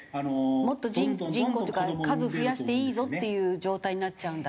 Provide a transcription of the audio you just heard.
もっと人口っていうか数増やしていいぞっていう状態になっちゃうんだ。